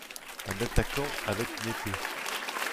Un attaquant avait une épée.